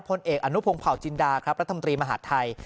พลเอกอนุพงศ์เผาจินดาครับรัฐมนตรีมหาดไทย